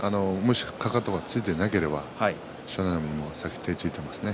かかとがついていなければ湘南乃海は先に手をついていますね。